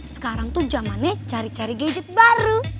sekarang tuh zamannya cari cari gadget baru